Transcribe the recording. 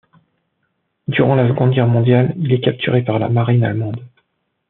Durant la Seconde Guerre mondiale, il est capturé par la marine allemande.